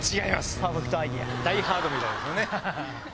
『ダイ・ハード』みたいですよね。